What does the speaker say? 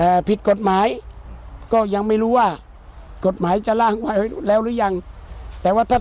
ผิดกฎหมายก็ยังไม่รู้ว่ากฎหมายจะล่างไว้แล้วหรือยังแต่ว่าถ้า